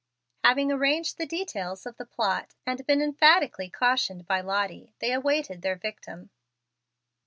Having arranged the details of the plot and been emphatically cautioned by Lottie, they awaited their victim.